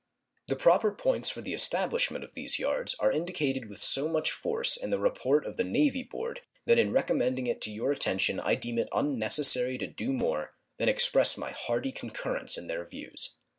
The proper points for the establishment of these yards are indicated with so much force in the report of the Navy Board that in recommending it to your attention I deem it unnecessary to do more than express my hearty concurrence in their views.